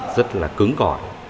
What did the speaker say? rất là cứng cỏi